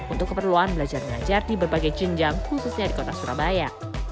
untuk keperluan belajar mengajar di berbagai jenjang khususnya di kota surabaya